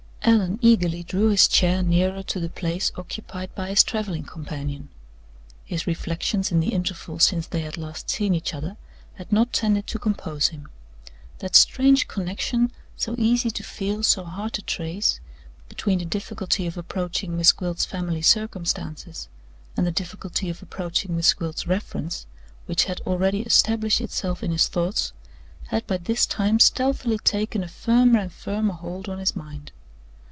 Allan eagerly drew his chair nearer to the place occupied by his traveling companion. His reflections in the interval since they had last seen each other had not tended to compose him. That strange connection, so easy to feel, so hard to trace, between the difficulty of approaching Miss Gwilt's family circumstances and the difficulty of approaching Miss Gwilt's reference, which had already established itself in his thoughts, had by this time stealthily taken a firmer and firmer hold on his mind.